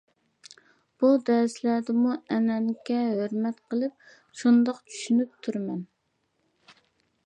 بۇ دەرسلەردىمۇ ئەنئەنىگە ھۆرمەت قىلىپ، شۇنداق چۈشىنىپ تۇرىمەن.